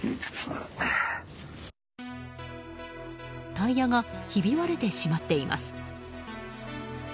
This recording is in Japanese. タイヤがひび割れてしまっています。